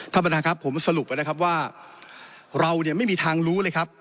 ท่านประธานครับผมสรุปนะครับว่าเราเนี่ยไม่มีทางรู้เลยครับ